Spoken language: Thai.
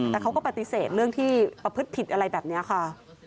แต่เขาก็ปฏิเสธเรื่องที่ประพฤติผิดอะไรแบบนี้ค่ะ